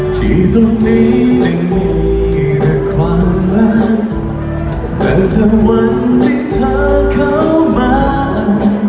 ที่ตรงนี้ยังมีแต่ความรักแต่ทุกวันที่เธอเข้ามา